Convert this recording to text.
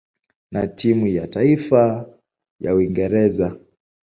na timu ya taifa ya Uingereza.